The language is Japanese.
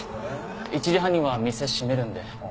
１時半には店閉めるんで。